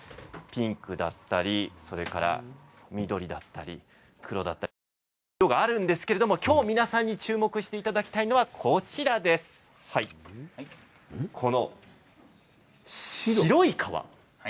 ピンクだったり、緑だったり黒だったりさまざまな色があるんですけれどもきょう皆さんに注目していただきたいのはこちら、この白い革。